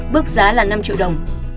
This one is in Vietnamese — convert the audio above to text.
bước giá là năm triệu đồng